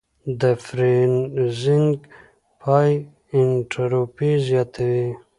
د فریزینګ پای انټروپي زیاتوي.